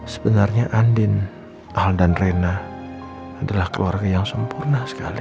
sebenarnya andin al dan rena adalah keluarga yang sempurna sekali